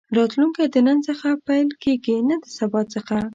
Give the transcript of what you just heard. راتلونکی د نن څخه پيل کېږي نه د سبا څخه.